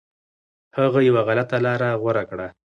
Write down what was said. هغه یو غلطه لاره غوره کړه.